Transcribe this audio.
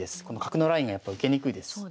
この角のラインやっぱ受けにくいです。